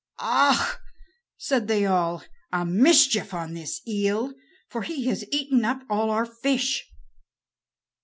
"Ah," said they all, "a mischief on this eel, for he has eaten up all our fish."